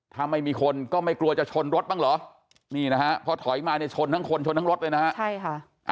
ถ้าไม่มีคนก็ไม่กลัวจะชนรถบ้างเหรอนี่นะฮะพอถอยมาเนี่ยชนทั้งคนชนทั้งรถเลยนะฮะใช่ค่ะ